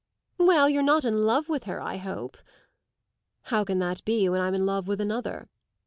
"Well, you're not in love with her, I hope." "How can that be, when I'm in love with Another?"